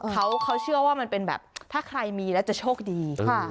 เขาเชื่อว่ามันเป็นแบบถ้าใครมีแล้วจะโชคดี